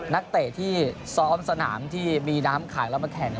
นักเตะที่ซ้อมสนามที่มีน้ำขังแล้วมาแข่ง